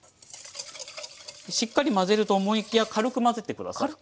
しっかり混ぜると思いきや軽く混ぜてください。